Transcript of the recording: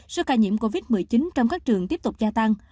số ca nhiễm covid một mươi chín trong các trường tiếp tục gia tăng